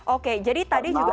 oke jadi tadi juga